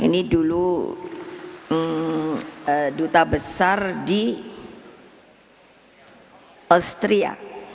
ini dulu duta besar di austria